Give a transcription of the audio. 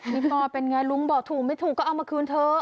นี่พ่อเป็นไงลุงบอกถูกไม่ถูกก็เอามาคืนเถอะ